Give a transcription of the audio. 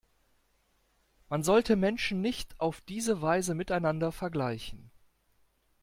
Man sollte Menschen nicht auf diese Weise miteinander vergleichen.